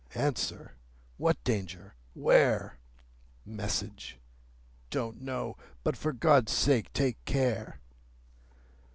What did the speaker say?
Answer: 'What Danger? Where?' Message: 'Don't know. But, for God's sake, take care!